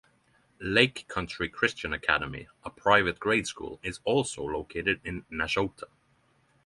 Lake Country Christian Academy, a private grade school, is also located in Nashotah.